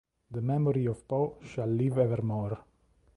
The memory of Poe shall live evermore!